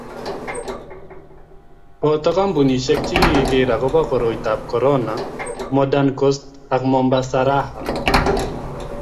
Boto Kampunisiek che kiker akobo koroitab korona Modern coast ak Mombasa Raha